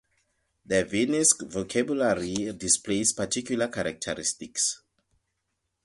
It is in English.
The Viennese vocabulary displays particular characteristics.